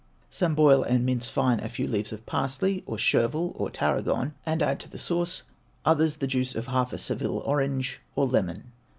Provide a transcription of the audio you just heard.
Some boil and mince fine a few leaves of parsley or chevrel or tarragon, and add to the sauce; others, the juice of half a Seville orange or lemon.